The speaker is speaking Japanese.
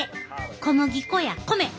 小麦粉や米。